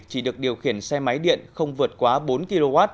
chỉ được điều khiển xe máy điện không vượt quá bốn kw